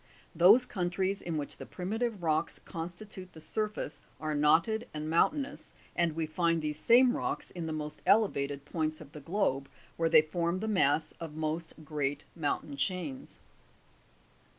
Those countries in which the primitive rocks constitute the surface are knotted and mountainous, and we find these same rocks in the most elevated points of the globe, where they form the mass of most great mountain chains.